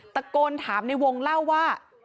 ตะโกนถามในวงเล่าว่า